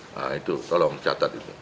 nah itu tolong catat itu